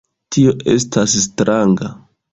Tio estas stranga.